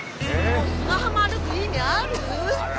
砂浜歩く意味ある？